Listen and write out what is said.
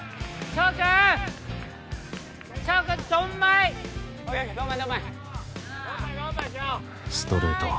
翔ストレート